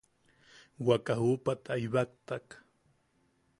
Waka juʼupata ibaktak.